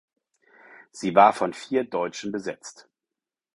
Sie war von vier Deutschen besetzt.